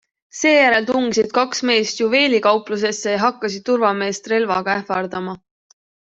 Seejärel tungisid kaks meest juveelikauplusesse ja hakkasid turvameest relvaga ähvardama.